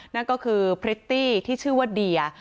นั่นก็คือพริตตี้ที่ชื่อว่าเดีย